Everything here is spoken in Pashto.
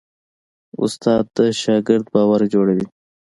استاد د شاګرد باور جوړوي.